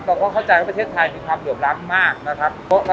เราก็เข้าใจว่าประเทศไทยมีความเหลื่อมล้ำมากนะครับ